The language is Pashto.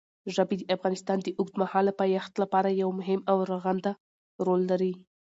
ژبې د افغانستان د اوږدمهاله پایښت لپاره یو مهم او رغنده رول لري.